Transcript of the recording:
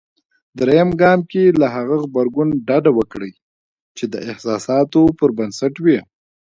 درېم ګام کې له هغه غبرګون ډډه وکړئ. چې د احساساتو پر بنسټ وي.